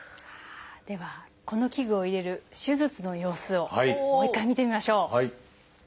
ではこの器具を入れる手術の様子をもう一回見てみましょう。